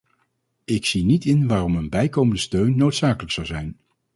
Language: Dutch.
Ik zie niet in waarom een bijkomende steun noodzakelijk zou zijn.